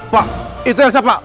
pak itu elsa pak